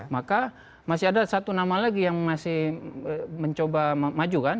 maka masih ada satu nama lagi yang masih mencoba maju kan